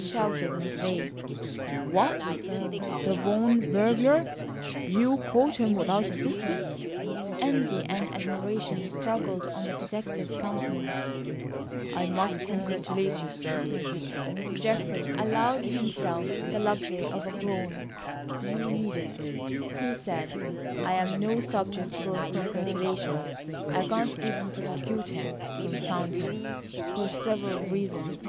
shouted McVay. "What, the Vaughan burglar? You caught him without assistance?" Envy and admiration struggled on the detective's countenance. "I must congratulate you, sir." Geoffrey allowed himself the luxury of a groan. "You needn't," he said; "I am no subject for congratulation. I can't even prosecute him, confound him, for several reasons.